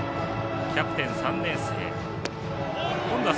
キャプテン、３年生。